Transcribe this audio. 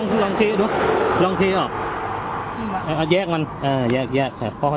อืมลองเทดูลองเทออกอ่ะยกมันเอายากยากพอหายกออกมาปุ๊บ